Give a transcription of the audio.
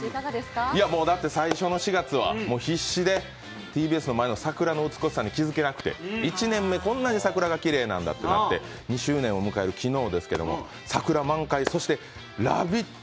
だって最初の４月はもう必死でＴＢＳの前の桜の美しさに気づけなくて１年目、こんなに桜がきれいなんだってなって、２周年を迎える昨日ですけど桜満開、そしてラヴィット！